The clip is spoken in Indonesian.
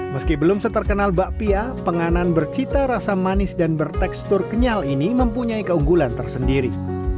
meski belum seterkenal bakpia penganan bercita rasa manis dan bertekstur kenyal ini mempunyai keunggulan tersendiri